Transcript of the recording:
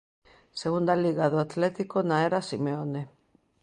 Segunda Liga do Atlético na era Simeone.